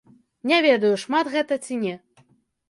Не ведаю, шмат гэта ці не.